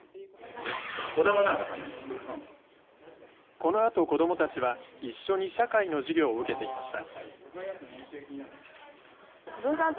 このあと、子どもたちは一緒に社会の授業を受けていました。